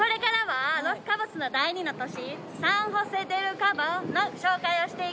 ロス・カボス第２の都市